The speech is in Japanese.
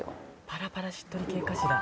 パラパラしっとり系かしら？